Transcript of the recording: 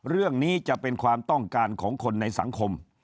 เรื่องนี้จะเป็นความต้องการของคนในสังคม